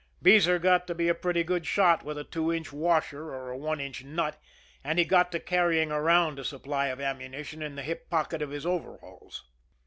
Beezer got to be a pretty good shot with a two inch washer or a one inch nut, and he got to carrying around a supply of ammunition in the hip pocket of his overalls.